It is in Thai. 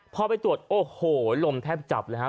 พ่อไปตรวจโอ้โหยรมแทบจับเลยฮะ